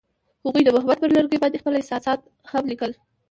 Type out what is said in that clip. هغوی د محبت پر لرګي باندې خپل احساسات هم لیکل.